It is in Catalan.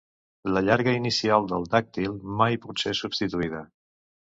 La llarga inicial del dàctil mai pot ser substituïda.